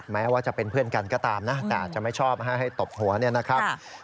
แม้ว่าจะเป็นเพื่อนกันก็ตามนะแต่อาจจะไม่ชอบให้ตบหัวเนี่ยนะครับ